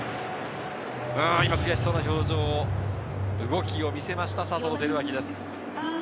今、悔しそうな表情を、動きを見せました佐藤輝明です。